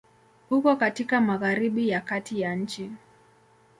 Uko katika Magharibi ya Kati ya nchi.